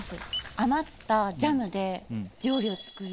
余ったジャムで料理を作る。